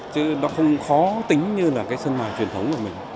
chứ nó không khó tính như là cái sơn mai truyền thống của mình